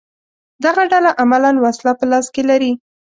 دغه ډله عملاً وسله په لاس کې لري